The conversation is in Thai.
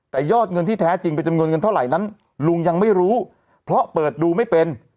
แต่ยอดเงินที่แท้จริงเป็นจำนวนเงินเท่าไหร่นั้นลุงยังไม่รู้เพราะเปิดดูไม่เป็น